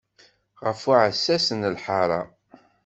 Ɣef uɛessas n lḥara.